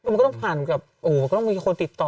มันก็ต้องผ่านกับโอ้โหก็ต้องมีคนติดต่อ